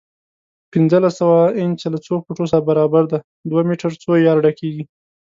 پنځلس سوه انچه له څو فوټو سره برابره ده؟ دوه میټر څو یارډه کېږي؟